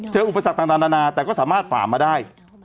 อุปสรรคต่างนานาแต่ก็สามารถฝ่ามาได้